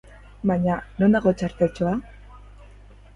Baina, non dago txarteltxoa?